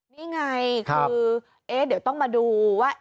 นี่ไงคือเอ๊ะเดี๋ยวต้องมาดูว่า